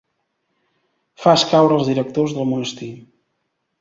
Fas caure els directors del monestir.